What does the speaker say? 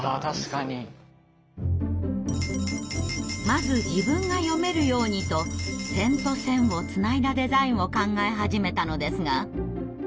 「まず自分が読めるように」と点と線をつないだデザインを考え始めたのですが。